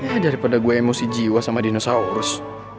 ya daripada gue emosi jiwa sama dinosaurus